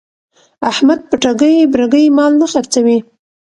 احمد په ټګۍ برگۍ مال نه خرڅوي.